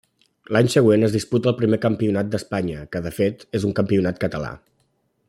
L'any següent es disputa el primer Campionat d'Espanya, que de fet és un campionat català.